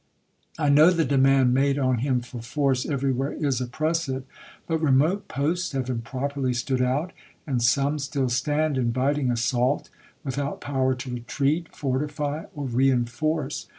I know the demand made on him for force everywhere is oppressive ; but remote posts have improperly stood out, and some still stand, inviting assault, without power to retreat, fortify, or reenforce.